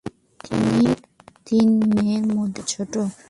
তিনি তিন মেয়ের মধ্যে সবচেয়ে ছোট।